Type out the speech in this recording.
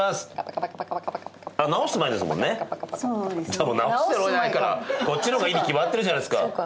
じゃあもう直してもないからこっちの方がいいに決まってるじゃないですか。